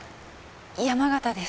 山形です。